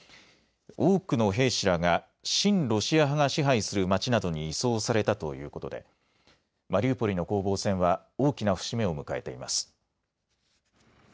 多くの兵士らが親ロシア派が支配する町などに移送されたということでマリウポリの攻防戦は大きな節目を迎えています。